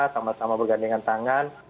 sama sama bergandingan tangan